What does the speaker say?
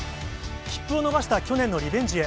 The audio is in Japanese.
切符を逃した去年のリベンジへ。